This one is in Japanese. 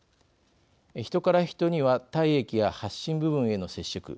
ヒトからヒトには体液や発疹部分への接触。